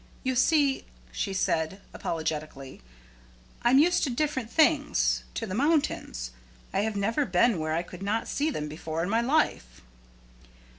"You see," she said, apologetically, "I'm used to different things to the mountains. I have never been where I could not see them before in my life."